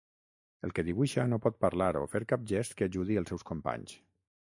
El que dibuixa no pot parlar o fer cap gest que ajudi els seus companys.